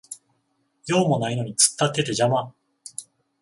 用もないのに突っ立ってて邪魔